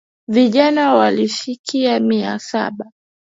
Vijana walifika mia saba